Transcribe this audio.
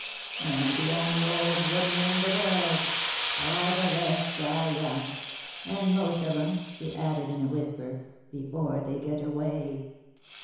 I am the only old woman in the world ; all the rest die young — and most of 'em," she added, in a whisper, " before they get away."